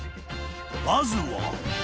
［まずは］